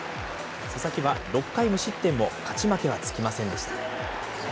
佐々木は６回無失点も、勝ち負けはつきませんでした。